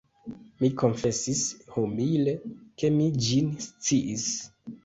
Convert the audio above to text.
Mi konfesis humile, ke mi ĝin sciis.